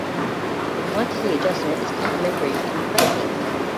Quantity adjustment is complementary to pricing.